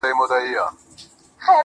چي تا په گلابي سترگو پرهار پکي جوړ کړ.